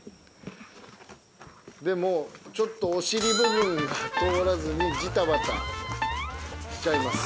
でもちょっとお尻部分通らずにジタバタしちゃいます。